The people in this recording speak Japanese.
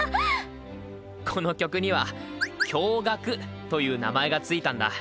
この曲には「驚がく」という名前が付いたんだ。